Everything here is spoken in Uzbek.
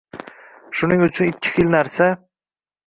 Shuning uchun ikki xil narsa